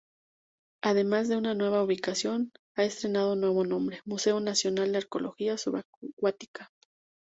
Además de nueva ubicación ha estrenado nuevo nombre: Museo Nacional de Arqueología Subacuática.